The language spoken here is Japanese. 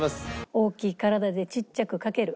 大きい体で小っちゃくかける。